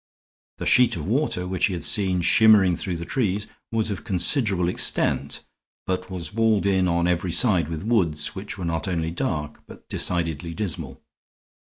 The sheet of water which he had seen shimmering through the trees was of considerable extent, but was walled in on every side with woods which were not only dark, but decidedly dismal.